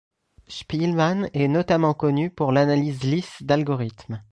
Spielman est notamment connu pour l'analyse lisse d'algorithme.